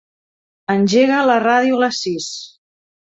Engega la ràdio a les sis.